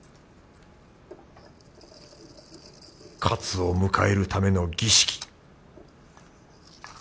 かつを迎えるための儀式